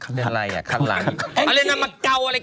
อะไรอ่ะข้างหลัง